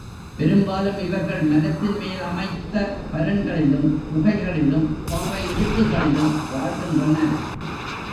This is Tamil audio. பெரும்பாலும் இவர்கள் மரத்தின் மேல் அமைத்த பரண்களிலும், குகைகளிலும் பாறை இடுக்குகளிலும் வாழ்கின்றனர்.